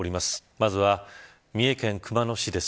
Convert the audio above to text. まずは三重県熊野市です。